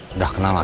udah kenal aku